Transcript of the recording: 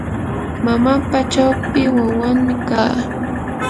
mamapa chawpi wawanmi kaa.